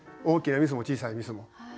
大きなミスも小さいミスも。